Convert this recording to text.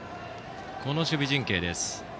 この守備陣形です。